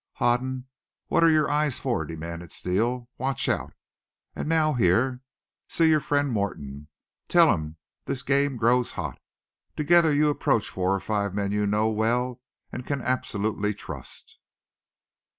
"Hoden, what are your eyes for?" demanded Steele. "Watch out. And now here. See your friend Morton. Tell him this game grows hot. Together you approach four or five men you know well and can absolutely trust.